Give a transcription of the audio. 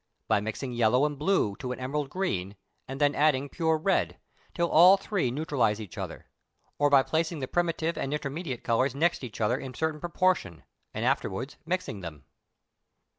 By mixing yellow and blue to an emerald green, and then adding pure red, till all three neutralize each other; or, by placing the primitive and intermediate colours next each other in a certain proportion, and afterwards mixing them.